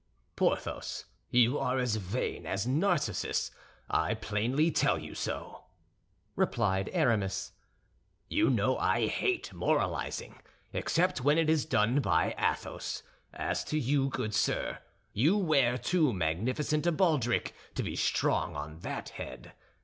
"Porthos, you are as vain as Narcissus; I plainly tell you so," replied Aramis. "You know I hate moralizing, except when it is done by Athos. As to you, good sir, you wear too magnificent a baldric to be strong on that head.